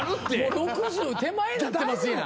６０手前なってますやん。